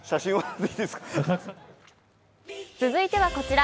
続いてはこちら。